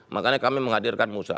makanya kami menghadirkan musa